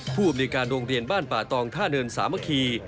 ผู้อำนวยการโรงเรียนบ้านป่าตองท่าเนินสามัคคี